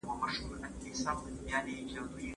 د طلاق واک له خاوند سره دی.